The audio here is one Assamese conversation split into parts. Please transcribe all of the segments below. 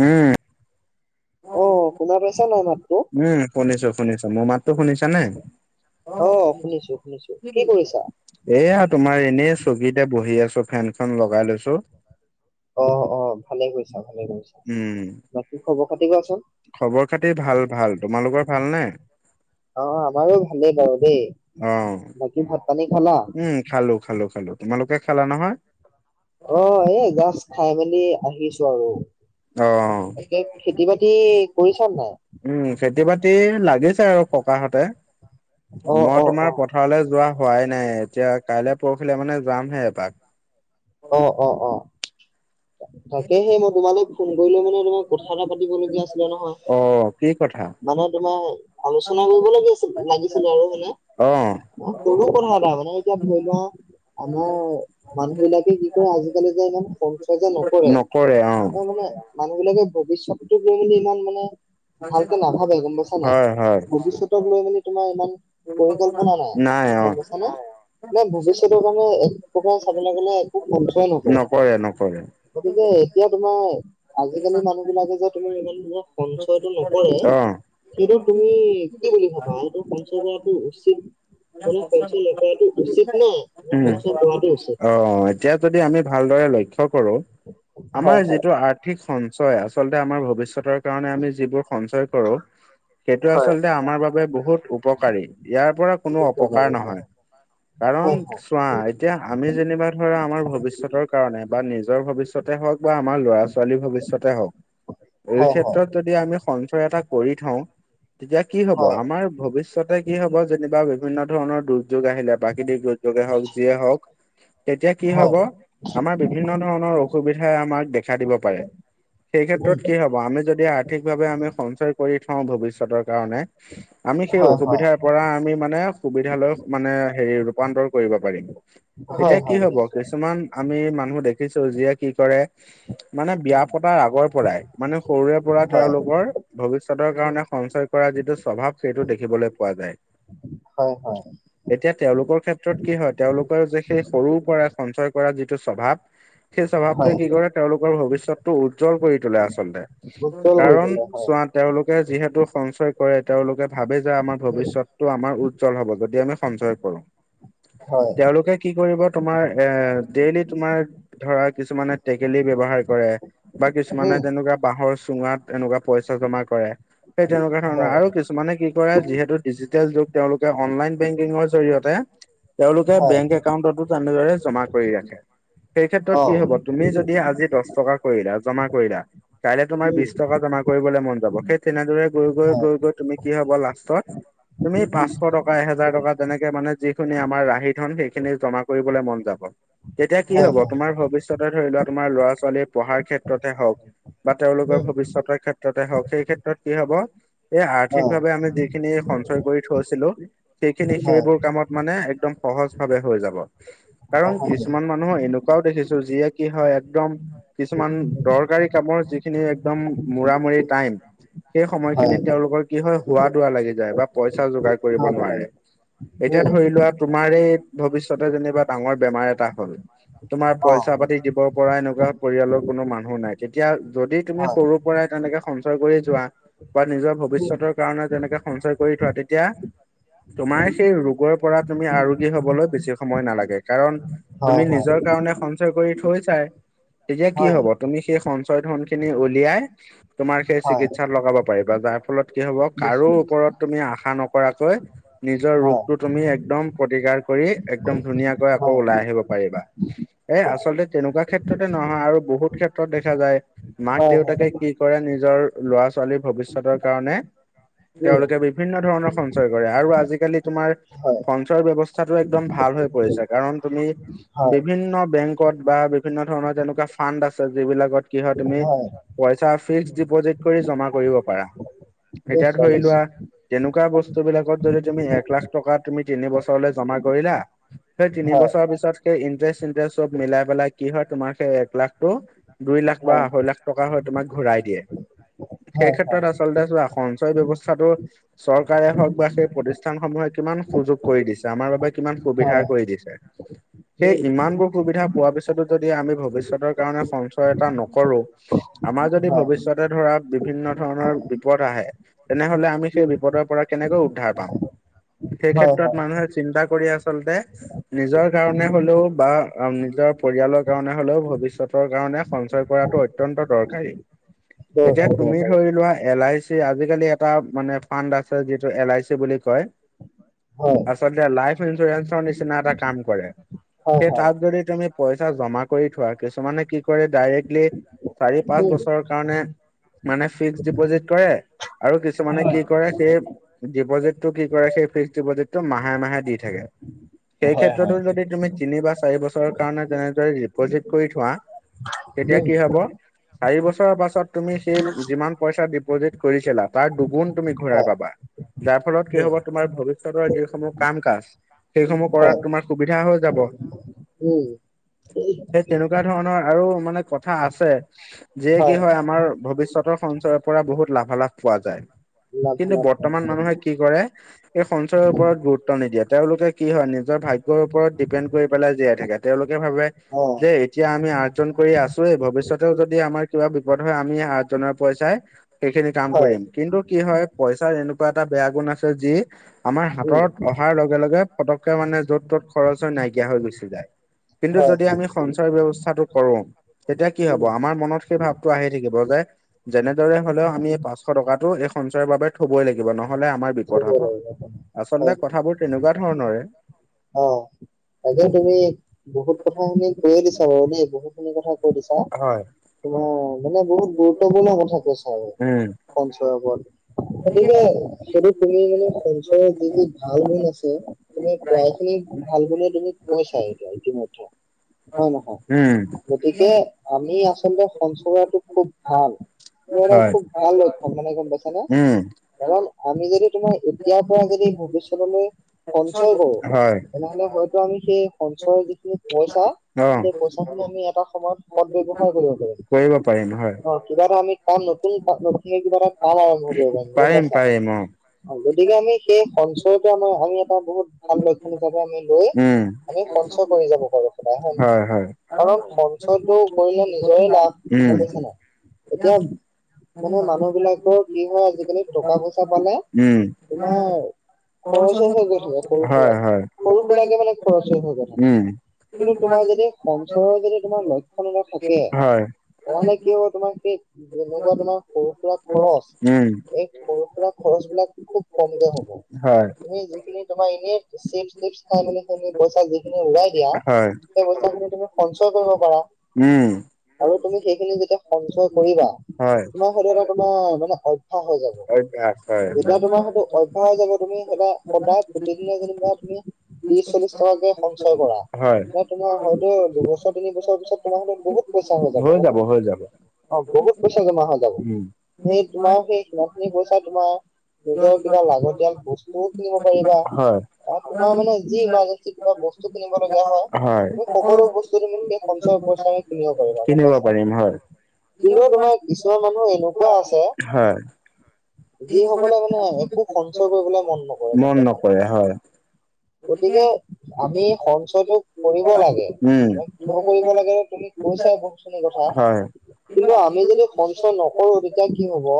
উম। অহ, শুনা পাইছানে নাই মাতটো? উম, শুনিছোঁ শুনিছোঁ। মোৰ মাতটো শুনিছানে? অহ, শুনিছোঁ শুনিছোঁ। কি কৰিছা? এইয়া তোমাৰ এনেই চকীতে বহি আছোঁ ফেনখন লগাই লৈছোঁ। অ', অ' ভালে কৰিছা, ভালে কৰিছা। উম, বাকী খবৰ খাতি কোৱাচোন খবৰ খাতিৰ ভাল-ভাল। তোমালোকৰ ভালনে? অহ, আমাৰো ভালেই বাৰু দেই। অ', বাকী ভাত পানী খালা? উম, খালোঁ খালোঁ খালোঁ। তোমালোকে খালা নহয়? অহ, এই জাষ্ট খায় মেলি আহিছোঁ আৰু। অ', তাকে খেতি বাতি কৰিছানে নাই? উম, খেতি বাতি লাগিছে আৰু ককাহঁতে অ মই অ অ তোমাৰ পথাৰলে যোৱা হোৱাই নাই, এতিয়া কাইলে পৰখিলে মানে যামহে এপাক। অহ', অহ', অহ'। তাকেহে মই তোমালৈ ফোন কৰিলোঁ মানে তোমাক কথা এটা পাতিবলগীয়া আছিলে নহয়। অ', কি কথা মানে তোমাৰ আলোচনা কৰিব লাগি আছিল, লাগিছিলে আৰু মানে। অ', সৰু কথা এটা মানে এতিয়া ধৰিলোৱা, আমাৰ মানুহবিলাক কি কৰে, আজিকালি যে ইমান সঞ্চয় যে নকৰে। মানে মানুহবিলাকে ভৱিষ্যতটোক লৈ মানে ইমান মানে ভালকে নাভাবে গম পাইছানে নাই‌। হয় হয় ভৱিষ্যতকলৈ মানে তোমাৰ ইমান পৰিকল্পনা নাই গম পাইছানে, নে ভৱিষ্যতৰ কাৰণে এক প্ৰথ চাবলৈ গ'লে সঞ্চয় নকৰে, গতিকে এতিয়া তোমাৰ আজিকালি মানুহবিলাকে যে তোমাৰ ইমান সঞ্চয়টো নকৰে অ', সেইটোত তুমি কি বুলি ভাবা? এইটো সঞ্চয় কৰাটো উচিত মানে সঞ্চয় নকৰাটো উচিত নে, নে উম। সঞ্চয় কৰাটো উচিত? অ', এতিয়া যদি আমি ভালদৰে লক্ষ্য কৰোঁ, হয় আমাৰ হয়। যিটো আৰ আৰ্থিক সঞ্চয় আচলতে আমাৰ ভৱিষ্যতৰ কাৰণে আমি যিবোৰ সঞ্চয় কৰোঁ সেইটো হয় আচলতে হয় আমাৰ বাবে বহুত উপকাৰী, ইয়াৰ পৰা কোনো অপকাৰ হয় নহয়। কাৰণ হয় চোৱা এতিয়া আমি যেনিবা ধৰা আমাৰ ভৱিষ্যতৰ কাৰণে বা নিজৰ ভৱিষ্যতে হওঁক বা আমাৰ ল'ৰা-ছোৱালী ছোৱালীৰ ভৱিষয়তে হওঁক। এই ক্ষেত্ৰত যদি আমি সঞ্চয় এটা কৰি থওঁ তেতিয়া কি হ'ব আমাৰ ভৱিষ্যতে কি হ'ব যেনিবা বিভিন্ন ধৰণৰ দুৰ্যোগ আহিলে, প্ৰাকৃতিক দুৰ্যোগে হওঁক, যিয়ে হওক। [unintelligible] তেতিয়া কি হয় হয় হ'ব আমাৰ বিভিন্ন ধৰণৰ অসুবিধাই আমাক দেখা দিব পাৰে। হয় সেই উম ক্ষেত্ৰত কি হ'ব আমি যদি আৰ্থিকভাৱে আমি সঞ্চয় কৰি থওঁ ভৱিষ্যতৰ কাৰণে। আমি হয় সেই হয় অসুবিধাত পৰা আমি মানে সুবিধা লৈ মানে হেৰি ৰূপান্তৰ কৰিব পাৰিম। হয় এতিয়া হয় কি হ'ব নিশ্চয় কিছুমান আমি মানুহ দেখিছোঁ যিয়ে কি কৰে। মানে বিয়া পতাৰ আগৰ পৰাই, মানে সৰুৰে পৰা হয় তেওঁলোকৰ ভৱিষ্যতৰ কাৰণে সঞ্চয় কৰা যিটো স্বভাৱ সেইটো দেখিবলৈ পোৱা যায়। হয়, হয়। এতিয়া তেওঁলোকৰ ক্ষেত্ৰত কি হয়, তেওঁলোকৰ যে সেই সৰুৰ পৰাই সঞ্চয় কৰা যিটো স্বভাৱ। সেই স্বভাৱটোৱে হয় কি কৰে তেওঁলোকৰ ভৱিষ্যতটো উজ্জ্বল কৰি তোলে আচলতে। উজ্জ্বল কৰি কাৰণ, তোলে হয় চোৱা তেওঁলোকে যিহেতু সঞ্চয় কৰে, তেওঁলোকে ভাবে যে আমাৰ ভৱিষ্যতটো আমাৰ উজ্জ্বল হ'ব যদি আমি সঞ্চয় কৰোঁ। [unintelligible] তেওঁলোকে কি কৰিব তোমাৰ এ ডেইলি তোমাৰ ধৰা কিছুমানে টেকেলি ব্যৱহাৰ কৰে, বা উম কিছুমানে তেনেকুৱা বাঁহৰ চুঙাত এনেকুৱা পইচা জমা কৰে। সেই তেনেকুৱা ধৰণৰ হয় আৰু কিছু মানে কি কৰে যিহেতু ডিজিটেল যুগ তেওঁলোকে অনলাইন বেংকিঙৰ জৰিয়তে তেওঁলোকে হয় বেংক একাউণ্টতো তেনেদৰে জমা কৰি ৰাখে, সেই ক্ষেত্ৰত অ কি উম হ'ব তুমি যদি আজি দহ টকা কৰিলা জমা কৰিলা, কাইলৈ তোমাৰ বিশ টকা জমা কৰিবলে মন যাব। সেই তেনেদৰে গৈ গৈ গৈ হয় গৈ তুমি কি হ'ব লাষ্টত তুমি পাঁচশ টকা এহেজাৰ টকা তেনেকে মানে যিখিনি আমাৰ ৰাহি ধন সেইখিনি জা কৰিবলে মন যাব। তেতিয়া কি হয় হব হয় তোমাৰ ভৱিষ্যতে ধৰি লোৱা তোমাৰ ল'ৰা ছোৱালীয়ে পঢ়াৰ ক্ষেত্ৰতে হওঁক বা তেওঁলোকৰ উম ভৱিষ্যতৰ ক্ষেত্ৰতে হওঁক সেই ক্ষেত্ৰত কি হ'ব এই অ আৰ্থিকভাৱে আমি যিখিনি সঞ্চয় কৰি থৈছিলো সেইখিনি হয় সেইবোৰ কামত মানে একদম সহজ ভাৱে হৈ যাব। অ কাৰণ হয় কিছুমান মান নুহ এনেকুৱাও দেখিছো যিয়ে কি হয় একদম কিছুমান দৰকাৰী কামৰ যিখিনি একদম মুৰা মুৰি টাইম সেই সময়খিনিত হয় তেওঁলোকৰ কি হয় হুৱা দুৱ লাগি যায় বা পইচা যোগাৰ কৰিব ভাল নোৱাৰে। নালাগে এতিয়া দেই ধৰি লোৱা তোমাৰ এই ভৱিষ্যতে যেনিবা ডাঙৰ বেমাৰ এটা হ'ল তোমাৰ অ পইচা পাতি দিব পৰা এনেকুৱা পৰিয়ালৰ কোনো মানুহ নাই, তেতিয়া যদি তুমি হয় সৰুৰ পৰাই তেনেকে ঞ্চয় কৰি যোৱা বা নিজৰ ভৱিষ্যতৰ কাৰণে যেনেকে সঞ্চয় কৰি থোৱা, তেতিয়া তোমাৰ সেই ৰোগৰ পৰা তুমি আৰোগী হবলৈ বেছি সময় নালাগে। কাৰণ তুমি নিজৰ কাৰণে সঞ্চয় কৰি থৈচাই। তেতিয়া কি হয় হয় হ'ব, তুমি সেই সঞ্চয় ধন খিনি উলিয়াই তোমাৰ সেই হয় হয় চিকিৎসাত লগাব পাৰিবা, যাৰ ফলত কি হ'ব কাৰো নিশ্চয় ওপৰত তুমি আশা নকৰাকৈ নিজৰ হয় ৰোগটো তুমি একদম প্ৰতিকাৰ কৰি একদম ধুনীয়াকৈ আকৌ হয় ওলাই আহিব পাৰিবা। এ আচলতে তেনেকুৱা ক্ষেত্ৰতে নহয় আৰু বহুত ক্ষেত্ৰত দেখা যায়। মাক হয় হয় দেউতাকে কি কৰে নিজৰ ল'ৰা ছোৱালীৰ ভৱিষ্যতৰ কাৰণে উম তেওঁলোকে বিভিন্ন ধৰণৰ সঞ্চয় কৰে, আৰু আজিকালি তোমাৰ হয় সঞ্চয়ৰ ব্যৱস্থাটো একদম ভাল হৈ পৰিছে। কাৰণ তুমি হয় বিভিন্ন বেংকত বা বিভিন্ন ধৰণৰ তেনেকুৱা ফাণ্ড আছে, যিবিলাকত কি হয় তুমি পইচা ফিক্স ডিপজিট কৰি জমা কৰিব পাৰা। এতিয়া নিশ্চয় ধৰি লোৱা নিশ্চয় তেনেকুৱা বস্তু বিলাকত যদি তুমি এক লাখ টকা তুমি তিনি বছৰলৈ জমা কৰিলা সেই তিনি হয় বছৰ হয় পিছত সেই ইণ্টাৰেষ্ট ইণ্টাৰেষ্ট চব মিলাই পেলাই কি হয় তোমাক সেই এক লাখটো দুই লাখ বা আঢ়ৈ লাখ টকা হৈ তোমাক ঘূৰাই দিয়ে। সেই হয় হয় হয় ক্ষেত্ৰত উম আচলতে চোৱা সঞ্চয় ব্যয়ৱস্থাটো চৰকাৰে হওঁক বা সেই প্ৰতিষ্ঠান সমূহে কিমান সুযোগ কৰি দিছে আমাৰ বাবে কিমান সুবিধা হয় কৰি দিছে। হয় সেই হয় হয় ইমানবোৰ সুবিধা পোৱাৰ পিছত যদি আমি ভৱিষ্যতৰ কাৰণে সঞ্চয় এটা নকৰো। আমাৰ হয় হয় যদি হয় ভৱিষ্যতে ধৰা বিভিন্ন ধৰণৰ বিপদ আহে তেনেহ'লে আমি সেই বিপদৰ পৰা কেনেকৈ উদ্ধাৰ পাম, সেই ক্ষেত্ৰত হয় মানুহে চিন্তা কৰি আছে। আচলতে নিজৰ কাৰণে হ'লেও বা নিজৰ পৰিয়ালৰ কাৰণে হ'লেও ভৱিষ্যতৰ কাৰণে সঞ্চয় কৰাটো অত্যন্ত দৰকাৰী। উম এতিয়া তুমি ধৰি লোৱা এল আই চি আজিকালি এটা মানে ফাণ্ড আছে যিটো এল আই চি বুলি কয় আচলতে লাইফ ইঞ্চুৰেঞ্চৰ নিচিনা এটা কাম কৰে, হয় সেই হয় তাত যদি তুমি পইচা জমা কৰি থোৱা, কিছুমানে কি কৰে ডাইৰেক্টলি চাৰি হয় পাঁচ উম বছৰৰ কাৰণে মানে ফিক্স ডিপজিট কৰে, আৰু কিছুমানে হয় কি কৰে সেই ডিপজিট টো কি কৰে সেই ফিক্স ডিপজিটটো মাহে মাহে দি থাকে। সেই ক্ষেত্ৰতো যদি তুমি তিনি বা চাৰি বছৰ কাৰণে তেনেদৰে ডিপজিট কৰি থোৱা তেতিয়া কি হ'ব চাৰি বছৰৰ পাছত তুমি সেই যিমান পইচা ডিপ'জিট কৰিছিলা তাৰ দুগুণ তুমি ঘূৰাই পাবা। যাৰ ফলত কি হ'ব তোমাৰ ভৱিষ্যতৰ যিসমূহ কাম কাজ সেইসমূহ উম হয় কৰাত তোমাৰ সুবিধা হৈ যাব। উম। সেই তেনেকুৱা ধৰণৰ আৰু মানে কথা আছে। যিয়ে কি হয় আমাৰ ভৱিষ্যতৰ সঞ্চয়ৰ পৰা বহুত লাভালাভ পোৱা যায়। কিন্তু লাভালাভ পোৱা বৰ্তমান যায় মানুহে কি কৰে এই সঞ্চয়ৰ ওপৰত গুৰুত্ব নিদিয়ে তেওঁলোকে কি হয় নিজৰ ভাগ্যৰ ওপৰত ডিপেণ্ড কৰি পেলাই জীয়াই থাকে। তেওঁলোকে ভাবে অ যে এতিয়া আমি অৰ্জন কৰি আছোয়েই ভৱিষ্যতেও যদি আমাৰ কিবা বিপদ হয় আমি অৰ্জনৰ পইচাই সেইখিনি কাম হয় কৰিম। কিন্তু কি হয় পইচাৰ এনেকুৱা এটা বেয়া গুণ আছে যি আমাৰ উম হাতত অহাৰ লগে লগে পটককে মানে য'ত-ত'ত খৰচ হৈ নাইকিয়া হৈ গুছি যায়। কিন্তু হয় যদি হয় আমি সঞ্চয় ব্যৱস্থাটো কৰো তেতিয়া কি হ'ব উম আমাৰ মনত সেই ভাব টো আহি থাকিব যে যেনেদৰে হ'লেও আমি এই পাঁচশ টকাটো এই সঞ্চয়ৰ বাবে থ'বই লাগিব নহ'লে আমাৰ বিপদ হ'ব। চবৰে আচলতে হয় কথাবোৰ তেনেকুৱা ধৰণৰে। অ তাকে তুমি বহুত কথাখিনি কৈয়ে দিছা বাৰু দেই বহুতখিনি কথা কৈ দিছা। হয়। তোমাৰ মানে বহুত গুৰুত্বপূৰ্ণ কথা কৈছা বাৰু উম, সঞ্চয়ৰ ওপৰত গতিকে সেইটোত তুমি সঞ্চয়ৰ যি যি ভাল গুণ আছে তুমি প্ৰায়খিনি ভাল গুণেই খিনি কৈছায়ে এতিয়া ইতিমধ্যে। হয় উম, নহয় গতিকে আমি আচলতে সঞ্চয় কৰাটো খুব ভাল। সেইটো মানে হয়। খুব ভাল অভ্যাস গম পাইছানে? উম, কাৰণ আমি যদি তোমাৰ এতিয়াৰ পৰা যদি ভৱিষ্যতলৈ সঞ্চয় কৰো হয়, তেনেহ'লে হয়তো আমি সেই সঞ্চয়ৰ যিখিনি পইচা অ'। সেই পইচা খিনি আমি এটা সময়ত সৎ ব্যৱহাৰ কৰিব পাৰিম। কৰিব পাৰিম হয়। কিবা এটা আমি কাম নতুন নতুনকে কিবা এটা কাম আৰম্ভ কৰিব পাৰিম গম পাইছা। অ গতিকে আমি সেই সঞ্চয়টো আমাৰ আমি এটা বহুত ভাল লক্ষণ হিচাপে আমি লৈ উম। আমি সঞ্চয় কৰি যাব পাৰো সদায় হয় নহয় কাৰণ সঞ্চয়টো কৰিলে নিজৰে লাভ। গম উম। পাইছা নাই? এতিয়া মানে মানুহবিলাকৰ কি হয় আজিকালি টকা পইচা পালে উম, তোমাৰ খৰচ হৈ হৈ গৈ থাকে সৰু হয় সুৰাকে। সৰু সুৰাকে মানে [unintelligible] খৰচ হৈ হৈ গৈ থাকে। উম, কিন্তু তোমাৰ যদি সঞ্চয়ৰ যদি তোমাৰ লক্ষণ এটা থাকে হয়, কাৰণে কি হ'ব তোমাৰ সেই যেনেকুৱা তোমাৰ সৰু সুৰা খৰচ উম, এই সৰু সুৰা খৰচবিলাক খুব কমকে হ'ব। হয়। তুমি যিখিনি তোমাৰ ই চেভ টেভ নাই বুলি শুনি [unintelligible] পইচা যিখিনি উৰাই দিয়া হয়, সেই পইচাখিনি তুমি সঞ্চয় কৰিব পাৰা উম। আৰু তুমি সেইখিনি যেতিয়া সঞ্চয় কৰিবা হয় তোমাৰ হয়টো এটা তোমাৰ মানে অভ্যাস অভ্যাস হৈ যাব অভ্যাস হয়। যেতিয়া তোমাৰ সেইটো অভ্যাস হৈ যাব তুমি সদায় সদায় প্ৰতিদিনে যেনিবা তুমি ত্ৰিশ, চল্লিশ টকাকে সঞ্চয় কৰা হয়। নাই তোমাৰ হয়তো দুবছৰ তিন বছৰ পিছত তোমাৰো বহুত পইচা হৈ যাব গম পাইছা নে নাই। অ, বহুত পইচা জমা হৈ যাব উম। সেই তোমাৰ সেই সিমানখিনি পইচা তোমাৰ নিজৰ কিবা লাগতিয়াল বস্তুও কিনিব পাৰিবা হয় আৰু তোমাৰ মানে যি ইমাৰ্জেঞ্চি কিবা বস্তু কিনিব লগীয়া হয় তুমি সকলো বস্তু তুমি সেই সঞ্চয়ৰ পইচাৰে কিনিব পাৰিবা গম কিনিব পাইছা। পাৰিম হয় কিন্তু তোমাৰ কিছুমান মানুহ এনেকুৱা আছে হয় যিসকলে মানে একো সঞ্চয় কৰিবলৈ মন নকৰে গম মন পাইছা নে নকৰে হয়। গতিকে [unintelligible] আমি সঞ্চয়টো কৰিব লাগে। উম। কিয় কৰিব লাগে তুমি কৈছা বহুত খিনি কথা। হয় [unintelligible] কৰো তেতিয়া কি হ'ব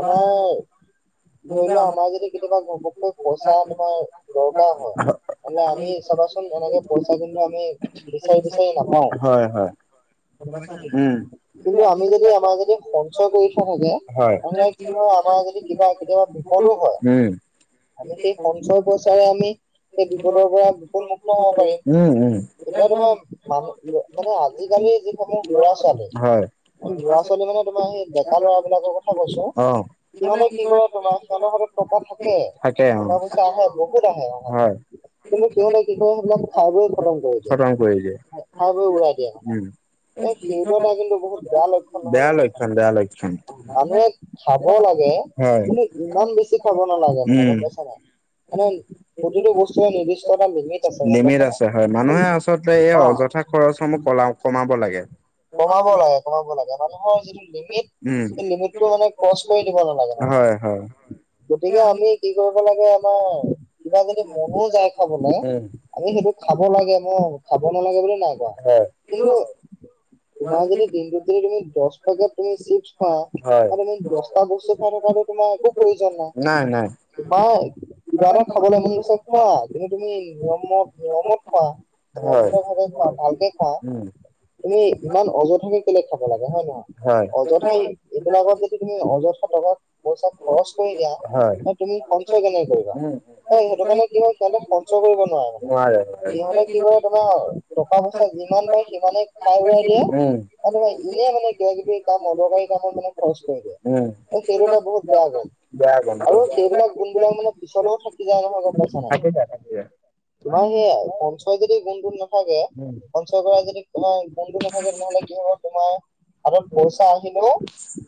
আমাৰ ধৰি লোৱা আমাৰ যদি কেতিয়াবা ঘপকৈ পইচা তোমাৰ দৰকাৰ হয় নহ'লে আমি চাবাচোন এনেকে পইচা কিন্তু আমি বিচাৰি বিচাৰি নাপাওঁ। হয়, হয়। গ'ম পাইছ নে নাই? উম কিন্তু আমি যদি আমাৰ যদি সঞ্চয় কৰি থোৱা থাকে তেনেহলে কি [unintelligible] কিবা কেতিয়াবা বিপদো হয়, আমি সেই সঞ্চয় পইচাৰে আমি সেই বিপদৰ পৰা বিপদ মুুক্ত হ'ব পাৰিম। উম উম। এতিয়া তোমাৰ মানুহ মানে আজিকালি যিসমূহ ল'ৰা ছোৱালী হয় ল'ৰা ছোৱালী মানে তোমাৰ সেই ডেকা লৰা বিলাকৰ কথা কৈছো, অ সিহঁতে কি কৰে তোমাৰ সিহঁতৰ হাতত টকা থাকে টকা পইচা আহে বহুত আহে অহাটো হয় কিন্তু সিহ'তে কি কৰে সেইবিলাক খাই বৈ খতম কৰি দিয়ে। খতম কৰি দিয়ে খাই বৈ উৰুৱাই দিয়ে মানে। উম এই সেইটো এটা কিন্তু বহুত বেয়া লক্ষণ নহয় বেয়া গ'ম পাইছা নে? লক্ষণ বেয়া লক্ষণ মানুহে খাব লাগে, হয় কিন্তু ইমান বেছি খাব নালাগে মানে উম গ'ম পাইছ নাই? মানে প্ৰতিটো বস্তু লিমিট আছে হয়, মানুহে আচলতে এই অ অযথা খৰচসমূহ কলা কমাব লাগে। কমাব লাগে কমাব লাগে মানুহৰ যিটো লিমিট উম এই লিমিটটো মানে ক্ৰচ কৰি দিব নালাগে হয় হয় মানুহৰ। গতিকে আমি কি কৰিব লাগে, আমাৰ কিবা যদি মনো যায় খাবলৈ উম আমি সেইটো খাব লাগে, মই খাব নালাগে বুলিও নাই কোৱা হয়। কিন্তু তোমাৰ যদি দিনটোত তুমি দহ পেকেট তুমি চিপছ খোৱা হয় আৰু তুমি দহটা বস্তু খাই থকাটো তোমাৰ একো প্ৰয়োজন নাই। নাই কিবা এটা খাবলৈ মন গৈছে খোৱা, যদি তুমি নিয়মত নিয়মত খোৱা হয় নিয়মিত ভাৱে খোৱা ভালকে খোৱা উম তুমি ইমান অযথাকে কেলে খাব লাগে হয় নে নহয়? হয় অযথা এইবিলাকত যদি তুমি অযথা টকা পইচা খৰচ কৰি দিয়া হয় ন, তুমি সঞ্চয় কেনেকে কৰিবা? উম অ', সেইটো কাৰণে কি হই সিহঁতে সঞ্চয় কৰিব নোৱাৰে মানে। নোৱাৰে। সিহঁতে কি তোমাৰ টকা পইচা যিমান পায় সিমানেই উম। মই দিলেই মানে কিবা কিবি কাম অদৰকাৰী কামৰ মানে খৰচ কৰি দিয়ে, উম সেইটো এটা বহুত বেয়া গুন, বেয়া গন্ধ আৰু থাকি সেইবিলাক যায় কোনবিলাক মানে পিছলৈও থাকি যায় নহয় গ'ম পাইছা নাই? থাকি যায় তোমাৰ সেইয়া সঞ্চয় যদি গুণটো নাথাকে, উম সঞ্চয় কৰা যদি তোমাৰ গুণটো নহ'লে কি হ'ব তোমাৰ হাতত পইচা আহিলেও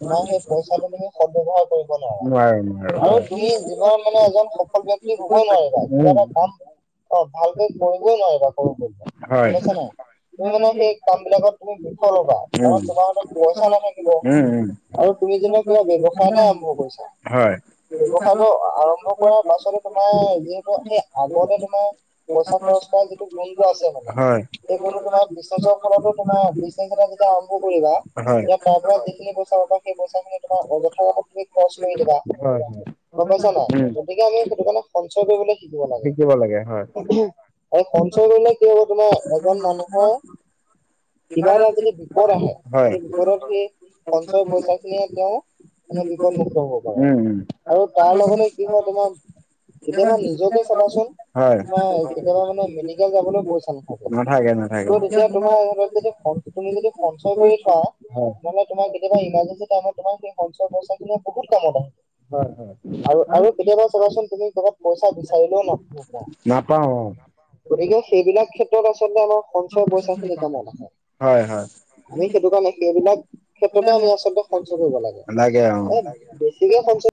তোমাৰ সেই পইচাটো তুমি সদব্যৱহাৰ কৰিব নোৱাৰা। নোৱাৰো নোৱাৰো আৰু হয়। তুমি জীৱনত মানে এজন সফল ব্যক্তি হবই নোৱাৰিবা। কিবা উম এটা কাম অ' ভালকে কৰিবই নোৱাৰিবা কৰো বুলিলে হয় গ'ম পাইছা নে নাই, তুমি মানে সেই কাম বিলাকত তুমি লবা উম। কাৰণ তোমাৰ হতত পইচা নাথাকিব। উম উম আৰু তুমি যেনেকুৱা কিবা ব্যৱসায় এটা আৰম্ভ কৰিছা, হয় ব্যৱসায়টো আৰম্ভ কৰাৰ পাছতে তোমাৰ যিহেতু সেই আগতে তোমাৰ পইচা খৰচ কৰা যিটো গুনটো আছে মানে, হয় এই‌ গুনটো তোমাক [unintelligible] তোমাৰ বিশ তাৰিখৰ পৰা যেতিয়া, আৰম্ভ কৰিবা! হয়। হয় তেতিয়া, তাৰপৰা যিখিনি পইচা সেই পইচা খিনি, তোমাৰ অযথা [unintelligible] তুমি খৰচ কৰি দিবা। হয়, হয়। গম পাইছা নাই? গতিকে আমি, সেইটো কাৰণে, সঞ্চয় কৰিবলৈ শিকিব লাগে। লাগে হয় আৰু সঞ্চয় কৰিলে, কি হ'ব তোমাৰ, এজন মানুহৰ কিবা এটা, যদি বিপদ আহে! হয়। সেই বিপদত, সেই সঞ্চয় পইচা খিনিয়ে, তেওঁ মানে, বিপদমুক্ত হ'ব পাৰে। উম উম। আৰু তাৰ লগতে, কি হয়, তোমাৰ কেতিয়াবা, নিজকে চাবাচোন? হয়। [unintelligible] কেতিয়াবা মানে, মেডিকেল যাবলৈ পইচা নাথাকে, নাথাকে। তুমি যদি, [unintelligible] তুমি যদি সঞ্চয় কৰি থোৱা! হয় মানে তোমাক, কেতিয়াবা ইমাৰজেঞ্চি টাইমত, তোমাক, সেই সঞ্চয় পইচা খিনি, বহুত কামত আহে। হয় হয় আৰু আৰু কেতিয়াবা চাবাচোন? তুমি ক'ৰবাত পইচা বিচাৰিলেও, নাপাবা। নাপাওঁ, অ'! গতিকে, সেইবিলাক ক্ষেত্ৰত, আচলতে আমাৰ সঞ্চয় পইচা খিনি, কামত আহে। হয়, হয়। আমি, সেইটো কাৰণে, সেইবিলাক ক্ষেত্ৰতে, আমি আচলতে, সঞ্চয় কৰিব নালাগে অ। লাগে। বেছিকে, সঞ্চয়